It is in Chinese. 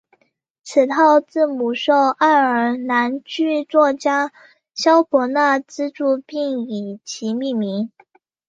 此套字母受爱尔兰剧作家萧伯纳资助并以其命名。